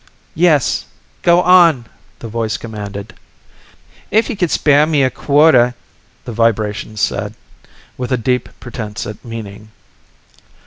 "Yes! Go on!" the voice commanded. "If you could spare me a quarter " the vibrations said, with a deep pretense at meaning.